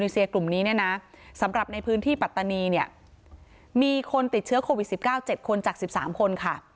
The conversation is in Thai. สำหรับในพื้นที่ปัตตานีเนี่ยมีคนติดเชื้อโควิด๑๙๗คนจาก๑๓คนค่ะ